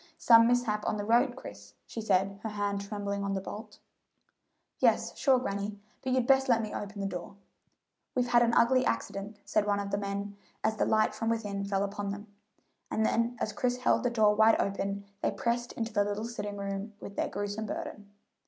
"Some mishap on the road, Chris," she said, her hand trembling on the bolt. "Yes, sure, granny; but you'd best let me open the door." "We've had an ugly accident," said one of the men, as the light from within fell upon them; and then as Chris held the door wide open they pressed into the little sitting room with their gruesome burden.